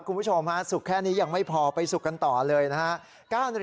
คุณผู้ชมห้าสุขแค่อันนี้ยังไม่พอไปสุขกันต่อเลยนะครับ